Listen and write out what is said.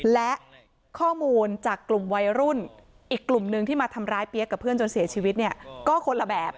และข้อมูลจากกลุ่มวัยรุ่นอีกกลุ่มนึงที่มาทำร้ายเปี๊ยกกับเพื่อนจนเสียชีวิตเนี่ยก็คนละแบบ